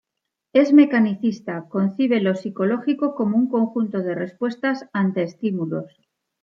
Es mecanicista: concibe lo psicológico como un conjunto de respuestas ante estímulos.